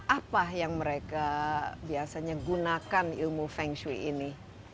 apa yang mereka biasanya gunakan ilmu feng shui ini